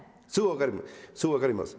すぐ分かります